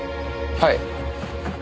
はい。